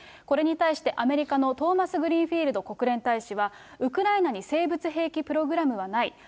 これに対して、アメリカのトーマスグリーンフィールド国連大使は、ウクライナに生物兵器プログラムはない。